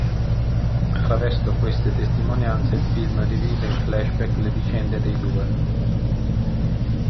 Attraverso queste testimonianze, il film rivive in flashback le vicende dei due.